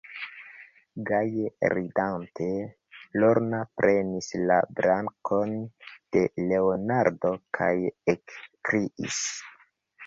Gaje ridante, Lorna prenis la brakon de Leonardo kaj ekkriis: